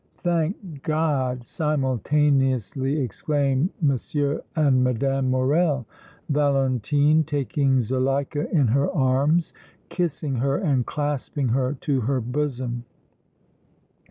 "Thank God!" simultaneously exclaimed M. and Mme. Morrel, Valentine taking Zuleika in her arms, kissing her and clasping her to her bosom.